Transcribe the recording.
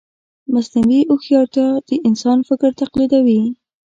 مصنوعي هوښیارتیا د انسان فکر تقلیدوي.